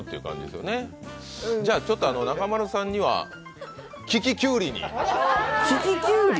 じゃあ中丸さんには利ききゅうりに。